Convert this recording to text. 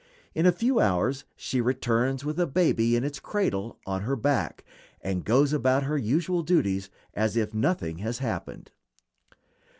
In a few hours she returns with a baby in its cradle on her back, and goes about her usual duties as if nothing had happened.